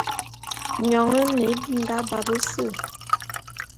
Nyone nhe binga ba bese.